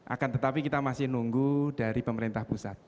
akan tetapi kita masih nunggu dari pemerintah pusat